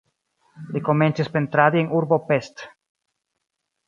Li komencis pentradi en urbo Pest.